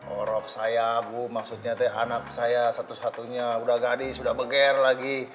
orang saya bu maksudnya teh anak saya satu satunya udah gadis udah beker lagi